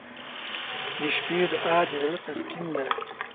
• د شپې دعا د زړه تسکین دی.